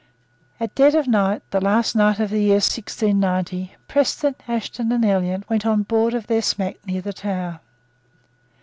At dead of night, the last night of the year 1690, Preston, Ashton and Elliot went on board of their smack near the Tower.